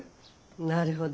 なるほど。